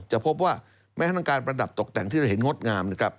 จะพบว่าแม้ทั้งการประดับตกแต่งที่เราเห็นงดงามนะครับ